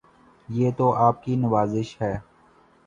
یہ تو آپ کی نوازش ہے